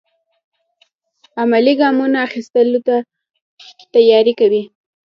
عملي ګامونو اخیستلو ته تیاری کوي.